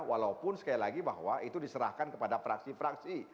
walaupun sekali lagi bahwa itu diserahkan kepada fraksi fraksi